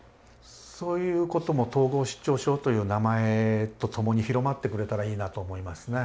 そういうことも統合失調症という名前と共に広まってくれたらいいなと思いますね。